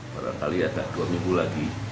barangkali ada dua minggu lagi